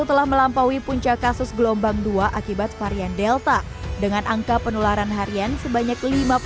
telah melampaui puncak kasus gelombang dua akibat varian delta dengan angka penularan harian sebanyak